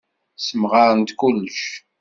Ssemɣarent kullec.